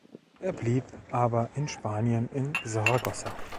Er blieb aber in Spanien in Saragossa.